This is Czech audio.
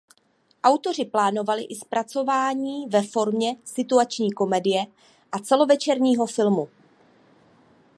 Autoři plánovali i zpracování ve formě situační komedie a celovečerního filmu.